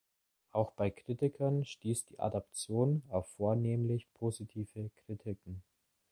Auch bei Kritikern stieß die Adaption auf vornehmlich positive Kritiken.